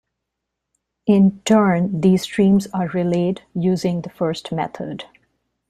In turn, these streams are relayed using the first method.